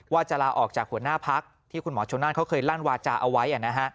ว่าจะลาออกจากหัวหน้าพักที่คุณหมอชนนั่นเขาเคยลั่นวาจาเอาไว้